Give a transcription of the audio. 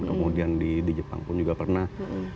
kemudian di jepang pun juga pernah